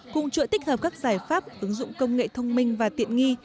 cùng chuỗi tích hợp các giải pháp ứng dụng công nghệ thông minh và tiện nghi